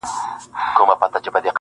کښته راغی ورته کښېنستی پر مځکه-